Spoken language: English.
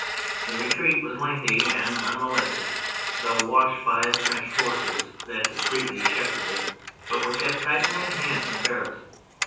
The retreat was lengthy and unmo THE MILITARY ASPECT 163 lested, though watched by the French forces that discreetly shepherded it but were kept tightly in hand from Paris.